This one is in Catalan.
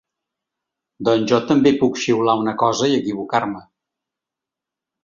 Doncs jo també puc xiular una cosa i equivocar-me.